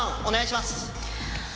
お願いします！